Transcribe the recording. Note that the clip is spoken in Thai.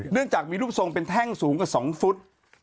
จากมีรูปทรงเป็นแท่งสูงกว่า๒ฟุต